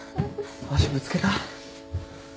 足ぶつけた？